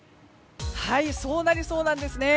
そうなりそうなんですね。